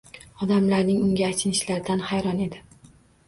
Odamlarning unga achinishlaridan hayron edi.